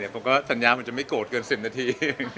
ผมก็สัญญาไม่โกรธเกิน๑๐นาที